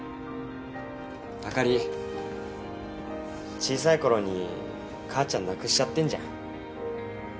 あかり小さいころに母ちゃん亡くしちゃってんじゃん。